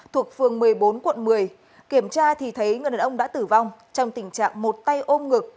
thuộc phường một mươi bốn quận một mươi kiểm tra thì thấy người đàn ông đã tử vong trong tình trạng một tay ôm ngực